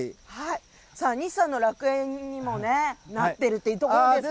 西さんの楽園にもなっているところってことですね。